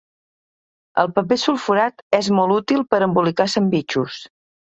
El paper sulfurat és molt útil per embolicar sandvitxos